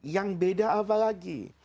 yang beda apa lagi